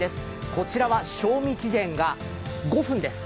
こちらは賞味期限が５分です。